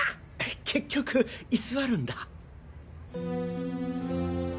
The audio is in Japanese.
結局居座るんだ。